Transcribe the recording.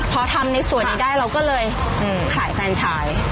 พอทำในส่วนนี้ได้เราก็เลยขายแฟนชาย